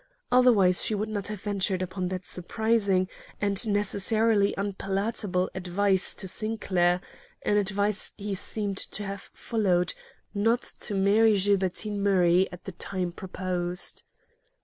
Otherwise, she would not have ventured upon that surprising and necessarily unpalatable advice to Sinclair an advice he seemed to have followed not to marry Gilbertine Murray at the time proposed.